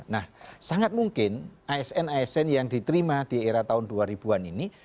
nah sangat mungkin asn asn yang diterima di era tahun dua ribu an ini